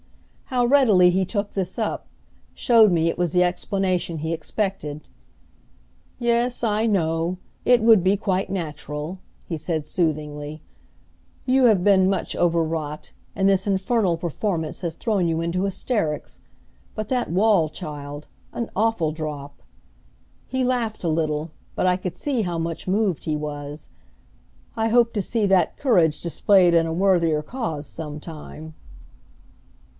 How readily he took this up, showed me it was the explanation he expected. "Yes, I know. It would be quite natural," he said soothingly. "You have been much over wrought, and this infernal performance has thrown you into hysterics. But that wall, child an awful drop!" He laughed a little, but I could see how much moved he was. "I hope to see that courage displayed in a worthier cause some time."